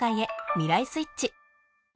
未来スイッチ！